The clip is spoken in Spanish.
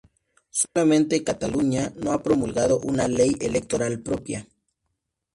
Solamente Cataluña no ha promulgado una ley electoral propia.